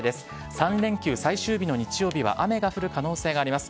３連休最終日の日曜日は雨が降る可能性があります。